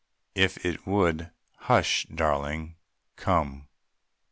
If it would Hush! Darling, come!